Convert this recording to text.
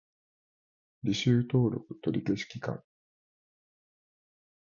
履修登録取り消し期間